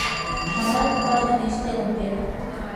Шамрай копаж дене ӱстелым пера.